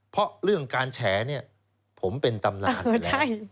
เพราะเรื่องการแฉเนี่ยผมเป็นตำนานไปแล้ว